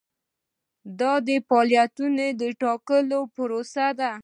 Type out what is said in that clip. دا د فعالیتونو د ټاکلو پروسه ده.